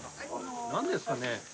何ですかね？